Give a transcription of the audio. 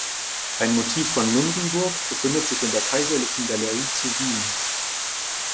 Ein Motiv von Lundenburg befindet sich in der kaiserlichen Galerie zu Wien.